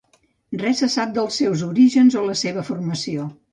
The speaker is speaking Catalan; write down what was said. Res se sap dels seus orígens o la seva formació.